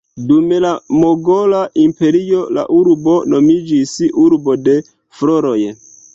Dum la Mogola Imperio la urbo nomiĝis "Urbo de floroj".